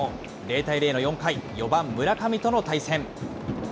０対０の４回、４番村上との対戦。